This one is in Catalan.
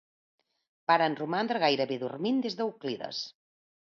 Varen romandre gairebé dormint des d'Euclides.